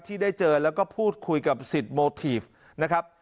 ที่ได้เจอแล้วก็พูดคุยกับสิทธิ์โมทีฟนะครับ